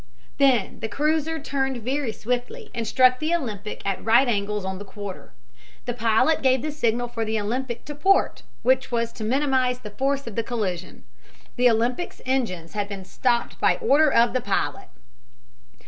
Then the cruiser turned very swiftly and struck the Olympic at right angles on the quarter. The pilot gave the signal for the Olympic to port, which was to minimize the force of the collision. The Olympic's engines had been stopped by order of the pilot.